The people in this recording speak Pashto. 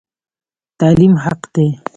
تعلیم حق دی